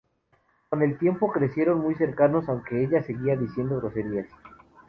Con el tiempo, crecieron muy cercanos, aunque ella seguía diciendo groserías.